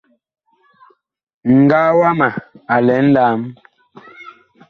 Ŋgaa wama a lɛ a nlam.